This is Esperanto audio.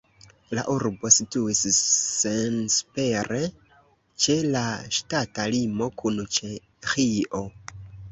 La urbo situas senpere ĉe la ŝtata limo kun Ĉeĥio.